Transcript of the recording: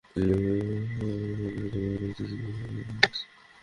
ডোপিংয়ের অভিযোগে রুশ অ্যাথলেটদের অলিম্পিকে নিষিদ্ধ করার সিদ্ধান্তই বহাল রেখেছে সিএএস।